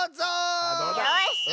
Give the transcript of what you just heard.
よし！